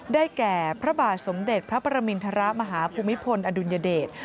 แก่พระบาทสมเด็จพระประมินทรมาฮภูมิพลอดุลยเดช